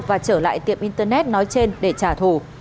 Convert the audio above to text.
và trở lại tiệm internet nói trên để trả thù